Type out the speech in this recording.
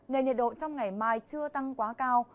nên nhiệt độ trong ngày mai chưa tăng quá cao